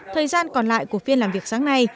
thời gian còn lại của phiên làm việc sáng nay